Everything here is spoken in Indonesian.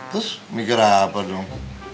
terus mikir apa dong